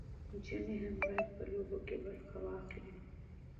نجونې هم باید په لوبو کې برخه واخلي.